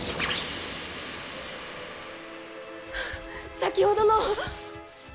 先ほどの！